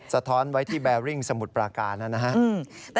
สะท้อนไว้ที่แบริ่งสมุทรปราการนะครับ